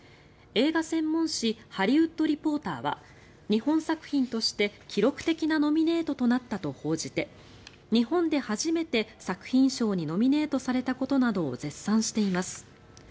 映画専門誌「ハリウッド・リポーター」は日本作品として、記録的なノミネートとなったと報じて日本で初めて作品賞にノミネートされたことなどを絶賛しています。